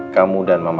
kamu dan mama